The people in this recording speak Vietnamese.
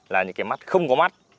là những cái mắt không có mắt